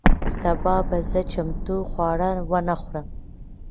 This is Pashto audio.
سبا به زه چمتو خواړه ونه خورم.